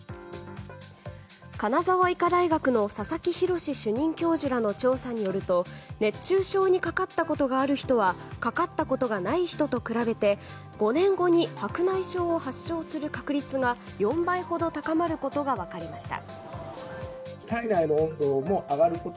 金沢医科大学の佐々木洋主任教授らの調査によると熱中症にかかったことがある人はかかったことがない人と比べて５年後に白内障を発症する確率が４倍ほど高まることが分かりました。